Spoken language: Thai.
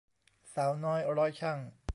สาวน้อยร้อยชั่ง